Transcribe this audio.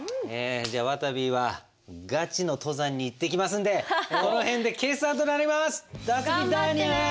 じゃあわたびはガチの登山に行ってきますんでこの辺で決算となります！